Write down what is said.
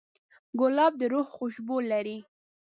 ګلاب د روح خوشبو لري.